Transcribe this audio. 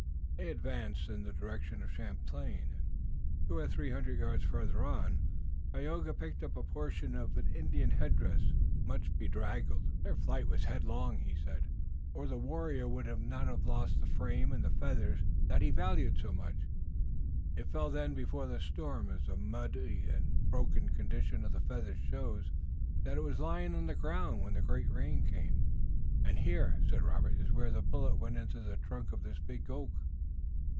They advanced in the direction of Champlain, and, two or three hundred yards farther on, Tayoga picked up a portion of an Indian headdress, much bedraggled. "Their flight was headlong," he said, "or the warrior would not have lost the frame and feathers that he valued so much. It fell then, before the storm, as the muddy and broken condition of the feathers shows that it was lying on the ground when the great rain came." "And here," said Robert, "is where a bullet went into the trunk of this big oak."